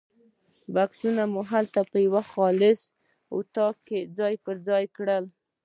بکسونه مو هلته په یوه خاص اتاق کې ځای پر ځای کړل.